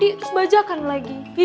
terus bajakan lagi